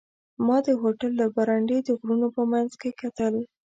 ما د هوټل له برنډې د غرونو په منځ کې کتل.